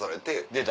出た！